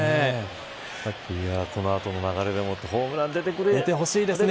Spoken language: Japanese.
この後の流れでホームラン出てくれてほしい。